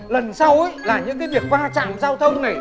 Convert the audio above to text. lần sau là những cái việc va chạm giao thông này